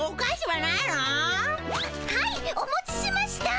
はいお持ちしました。